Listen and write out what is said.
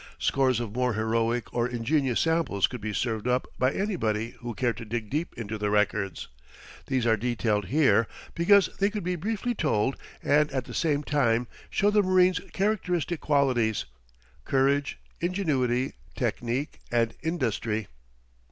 Scores of more heroic or ingenious samples could be served up by anybody who cared to dig deep into the records. These are detailed here, because they could be briefly told and at the same time show the marine's characteristic qualities: courage, ingenuity, technic, and industry.